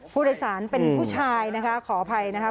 ผู้โดยสารเป็นผู้ชายขออภัยนะครับ